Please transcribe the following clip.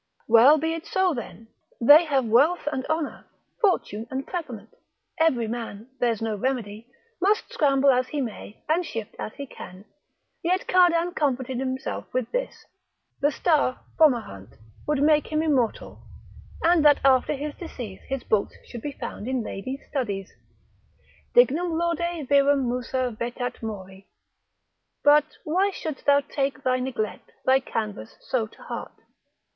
Well, be it so then, they have wealth and honour, fortune and preferment, every man (there's no remedy) must scramble as he may, and shift as he can; yet Cardan comforted himself with this, the star Fomahant would make him immortal, and that after his decease his books should be found in ladies' studies: Dignum laude virum Musa vetat mori. But why shouldst thou take thy neglect, thy canvas so to heart?